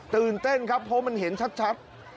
ตื่นเต้นครับเพราะมันเห็นชัด